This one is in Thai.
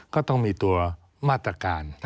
ก็ต้องมีตัวมาตรการ